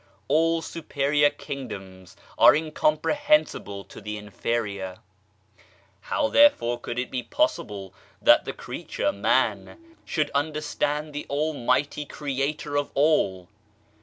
All superior kingdoms are incomprehensible to the inferior ; how therefore could it be possible that the creature, Man, should understand the Almighty Creator of all